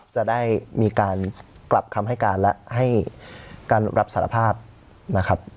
จะได้มีการกลับคำให้การและให้การรับสารภาพนะครับ